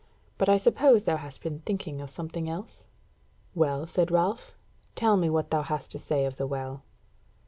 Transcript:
But I suppose thou hast been thinking of something else?" "Well," said Ralph, "tell me what thou hast to say of the Well."